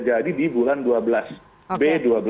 jadi di bulan dua belas b dua belas